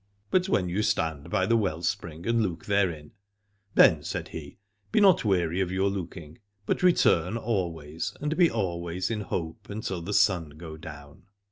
But when you 36 Alad ore stand by the well spring and look therein, then, said he, be not weary of your look ing, but return always and be always in hope until the sun go down.